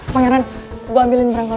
pangeran gue ambilin berangkul